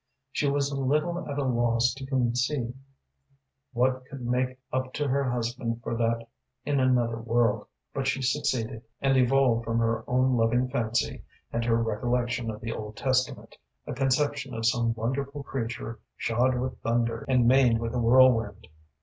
She was a little at a loss to conceive what could make up to her husband for that in another world, but she succeeded, and evolved from her own loving fancy, and her recollection of the Old Testament, a conception of some wonderful creature, shod with thunder and maned with a whirlwind.